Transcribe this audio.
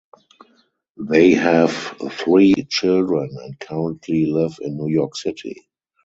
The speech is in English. They have three children and currently live in New York City.